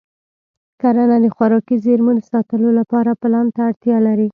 کرنه د خوراکي زېرمو د ساتلو لپاره پلان ته اړتیا لري.